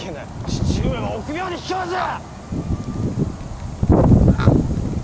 父上は臆病で卑怯じゃ！